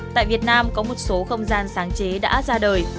tại việt nam có một số không gian sáng chế đã ra đời